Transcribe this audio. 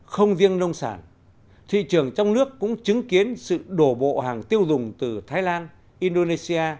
không riêng nông sản thị trường trong nước cũng chứng kiến sự đổ bộ hàng tiêu dùng từ thái lan indonesia